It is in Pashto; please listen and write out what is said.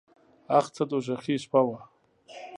اخ څه دوږخي شپه وه .